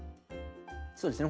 そうですね